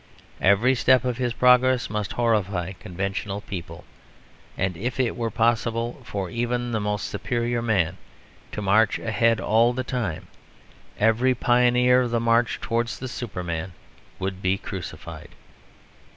Every step of his progress must horrify conventional people; and if it were possible for even the most superior man to march ahead all the time, every pioneer of the march towards the Superman would be crucified."